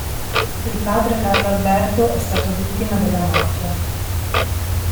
Il padre Carlo Alberto è stato vittima della mafia.